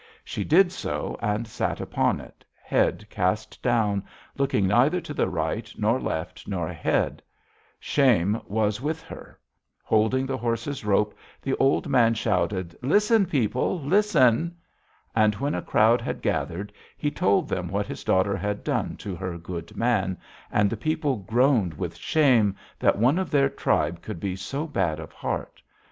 She did so and sat upon it, head cast down, looking neither to the right nor left nor ahead: shame was with her. Holding the horse's rope, the old man shouted: 'Listen, people, listen.' And when a crowd had gathered he told them what his daughter had done to her good man, and the people groaned with shame that one of their tribe could be so bad of heart.